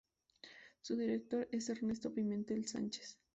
Su director es Ernesto Pimentel Sánchez.